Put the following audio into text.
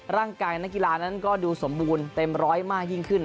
ร่างกายนักกีฬานั้นก็ดูสมบูรณ์เต็มร้อยมากยิ่งขึ้น